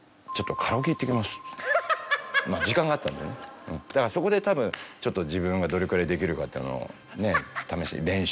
時間があったんでねだからそこでたぶん自分がどれくらいできるかっていうのをね試しに。